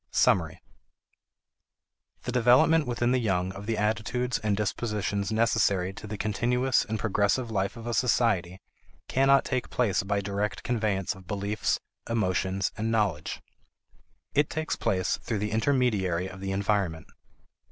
Summary. The development within the young of the attitudes and dispositions necessary to the continuous and progressive life of a society cannot take place by direct conveyance of beliefs, emotions, and knowledge. It takes place through the intermediary of the environment.